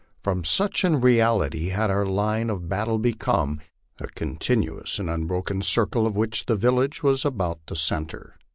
For such in reality had our line of battle become a continuous and unbroken circle of which the village was about the centre.